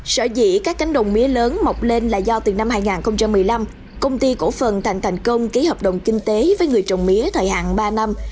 sở dĩ các cánh đồng mía lớn mọc lên là do từ năm hai nghìn một mươi năm công ty cổ phần thành thành công ký hợp đồng kinh tế với người trồng mía thời hạn ba năm